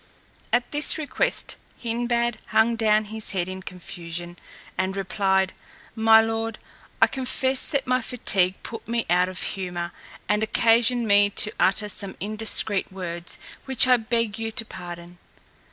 At this request, Hindbad hung down his head in confusion, and replied, "My lord, I confess that my fatigue put me out of humour, and occasioned me to utter some indiscreet words, which I beg you to pardon."